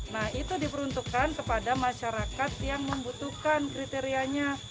nah itu diperuntukkan kepada masyarakat yang membutuhkan kriterianya